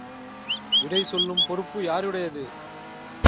விடை சொல்லும் பொறுப்பு யாருடையது?